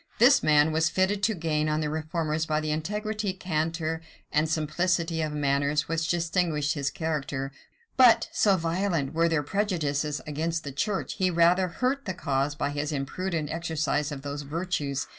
This man was fitted to gain on the reformers by the integrity, candor, and simplicity of manners which distinguished his character but, so violent were their prejudices against the church, he rather hurt the cause by his imprudent exercise of those virtues.